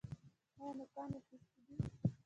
ایا نوکان یې اخیستي دي؟